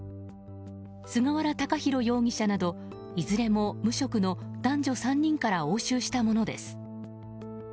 菅原隆浩容疑者などいずれも無職の男女３人から押収したものです。